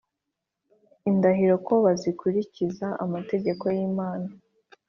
indahiro ko bazakurikiza amategeko y Imana